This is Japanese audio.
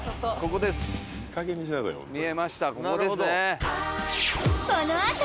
ここですね。